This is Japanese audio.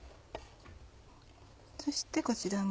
そしてこちらも。